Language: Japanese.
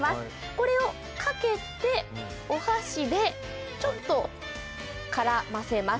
これをかけて、お箸でちょっと絡ませます。